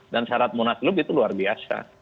dan syarat munas lho itu luar biasa